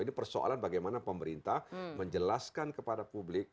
ini persoalan bagaimana pemerintah menjelaskan kepada publik